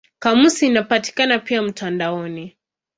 Kamusi inapatikana pia mtandaoni.